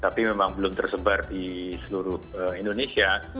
tapi memang belum tersebar di seluruh indonesia